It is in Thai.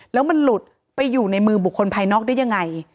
แล้วมันหลุดไปอยู่ในมือบุคคลภายนอกได้ยังไง